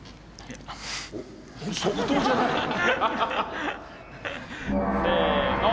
即答じゃない？せの。